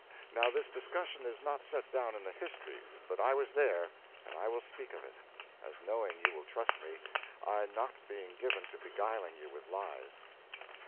Now this discussion is not set down in the histories; but I was there, and I will speak of it, as knowing you will trust me, I not being given to beguiling you with lies.